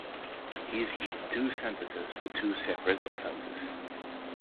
He is given two sentences for two separate offenses.